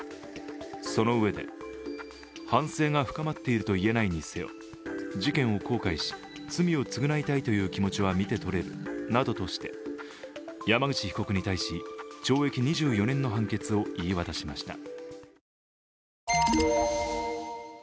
そのうえで、反省が深まっているといえないにせよ、事件を後悔し、罪を償いたいという気持ちは見て取れるなどとして山口被告に対し懲役２４年の判決を言い渡しました。